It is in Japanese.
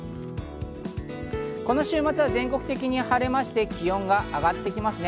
この週末は全国的に晴れまして、気温が上がってきますね。